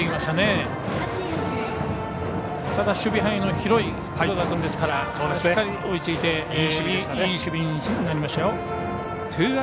ただ、守備範囲の広い黒田君ですからしっかり追いついていい守備になりましたよ。